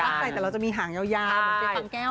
ลากไส้แต่เราจะมีหางยาวเหมือนเป็นฟังแก้วเนอะ